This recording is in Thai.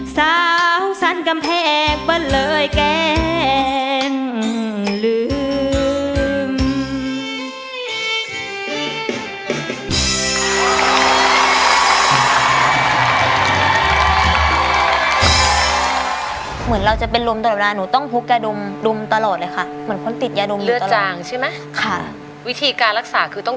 สาวสั้นกำแพงเปิ้ลเลยแกล้งลืม